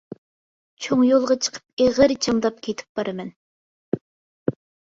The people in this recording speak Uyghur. چوڭ يولغا چىقىپ ئېغىر چامداپ كېتىپ بارمەن.